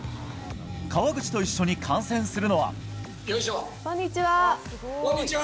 川口と一緒に観戦するのは。